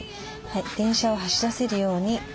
はい電車を走らせるように。